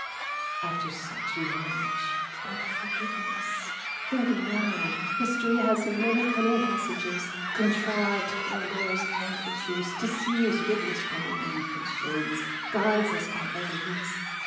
After such knowledge, what forgiveness? Think now History has many cunning passages, contrived corridors And issues, deceives with whispering ambitions, Guides us by vanities.